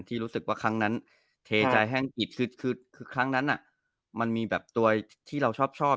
รู้สึกว่าครั้งนั้นเทใจแห้งอิดคือครั้งนั้นมันมีแบบตัวที่เราชอบ